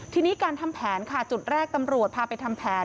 ทีนี้การทำแผนค่ะจุดแรกตำรวจพาไปทำแผน